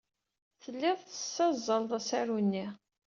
Tellid tessazzaled asaru-nni.